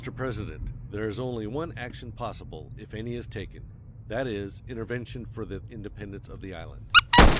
President, there is only one action possible, if any is taken; that is, intervention for the independence of the island.